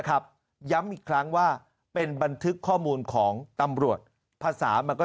ย้ำอีกครั้งว่าเป็นบันทึกข้อมูลของตำรวจภาษามันก็